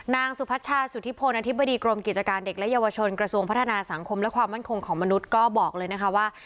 นางสุพัชชาสุธิพลอธิบดีกรมกิจการเด็กและเยาวชนกระทรวงพัฒนาสังคมและความมั่นคงของมนุษย์ก็บอกเลยนะคะว่า